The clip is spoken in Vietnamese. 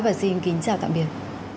và xin kính chào tạm biệt